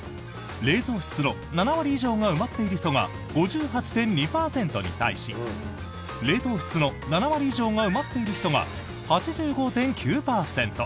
冷蔵室の７割以上が埋まっている人が５８．２％に対し冷凍室の７割以上が埋まっている人が８５．９％。